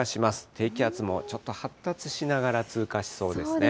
低気圧もちょっと発達しながら通過しそうですね。